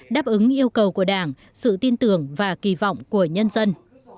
đáp ứng yêu cầu của đảng sự tin tưởng và kỳ vọng của nhân dân